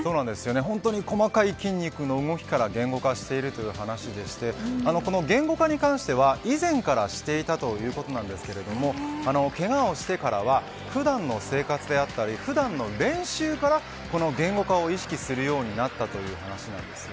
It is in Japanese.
本当に細かい筋肉の動きから言語化しているという話でして言語化に関しては、以前からしていたということなんですがけがをしてからは普段の生活であったり普段の練習から言語化を意識するようになったという話です。